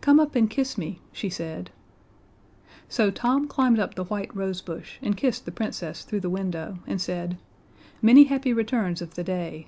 "Come up and kiss me," she said. So Tom climbed up the white rosebush and kissed the Princess through the window, and said: "Many happy returns of the day."